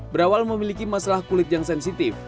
berawal memiliki masalah kulit yang sensitif